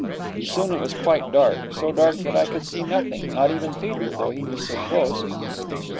And soon it was quite dark, so dark that I could see nothing, not even Peter, though he was so close.